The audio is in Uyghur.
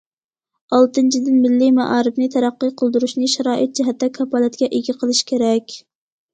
ئالتىنچىدىن، مىللىي مائارىپنى تەرەققىي قىلدۇرۇشنى شارائىت جەھەتتە كاپالەتكە ئىگە قىلىش كېرەك.